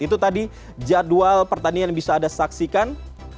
itu tadi jadwal pertandingan yang bisa anda saksikan